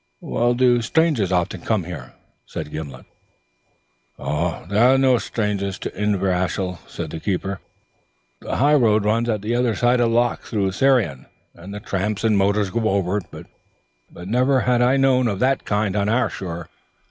"Do strangers often come to these parts?" "There are no strangers come to Inverashiel," said the keeper. "The high road runs at the ether side o' the loch through Crianan, and the tramps and motors go over it, but never hae I known one o' that kind on our shore."